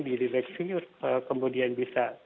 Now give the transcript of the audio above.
di deteksi kemudian bisa